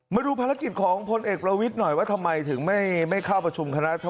มาดูภารกิจของพลเอกประวิทย์หน่อยว่าทำไมถึงไม่เข้าประชุมคณะ